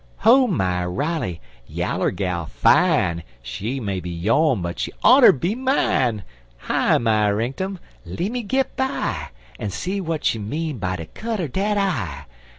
Ho my Riley! Yaller gal fine; She may be yone but she oughter be mine! Hi my rinktum! Lemme git by, En see w'at she mean by de cut er dat eye!